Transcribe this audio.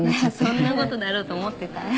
そんなことだろうと思ってた。